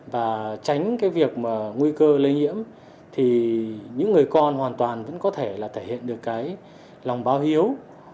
và tránh cái việc mà nguy cơ lây nhiễm thì những người con hoàn toàn vẫn có thể là thể hiện được cái lòng bao hiếu